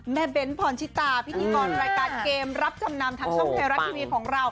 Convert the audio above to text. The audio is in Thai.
เบ้นพรชิตาพิธีกรรายการเกมรับจำนำทางช่องไทยรัฐทีวีของเรา